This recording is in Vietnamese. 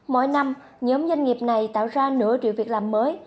mỗi năm nhóm doanh nghiệp này tạo ra nửa triệu việc làm mới